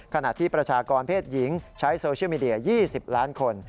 ขณะที่ประชากรเพศหญิงใช้โซเชียลมีเดีย๒๐ล้านคน